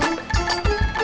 enak banget ya